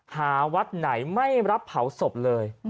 หาวัดไหนไม่รับเผาศพเลย